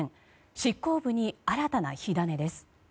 執行部に新たな火種です。